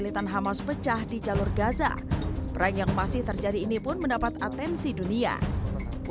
pembahasan perang berjalan jalan menjadi gel tonnes yang lebih banyak